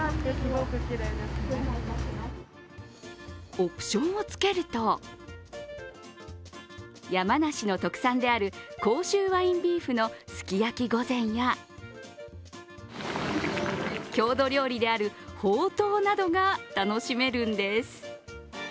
オプションをつけると、山梨の特産である甲州ワインビーフのすき焼き御膳や郷土料理である、ほうとうなどが楽しめるんです。